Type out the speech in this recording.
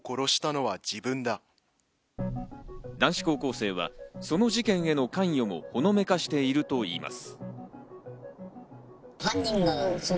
男子高校生は、その事件への関与をほのめかしているといいます。